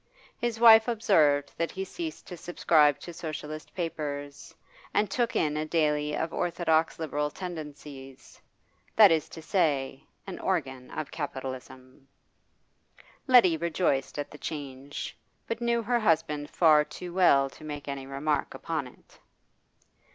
His wife observed that he ceased to subscribe to Socialist papers, and took in a daily of orthodox Liberal tendencies that is to say, an organ of capitalism. Letty rejoiced at the change, but knew her husband far too well to make any remark upon it.